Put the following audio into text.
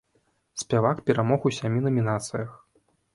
Спявак перамог у сямі намінацыях.